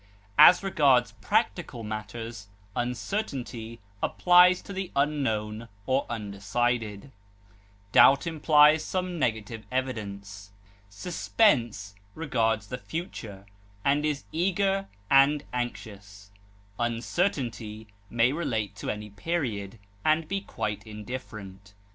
As regards practical matters, uncertainty applies to the unknown or undecided; doubt implies some negative evidence. Suspense regards the future, and is eager and anxious; uncertainty may relate to any period, and be quite indifferent.